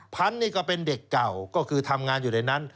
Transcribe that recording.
พันธุ์นี่ก็เป็นเด็กเก่าก็คือทำงานอยู่ในนั้น